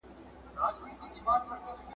ځانګړي اندامونه نه لري